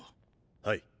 はい。